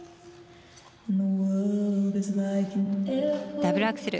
ダブルアクセル。